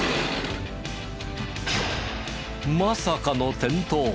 まさかの転倒。